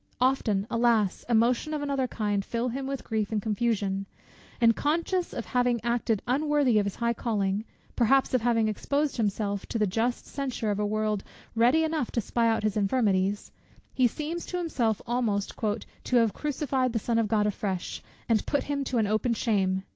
Often, alas! emotions of another kind fill him with grief and confusion: and conscious of having acted unworthy of his high calling, perhaps of having exposed himself to the just censure of a world ready enough to spy out his infirmities, he seems to himself almost "to have crucified the Son of God afresh, and put him to an open shame."